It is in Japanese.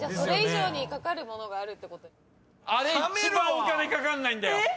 あれ一番お金かかんないんだよ。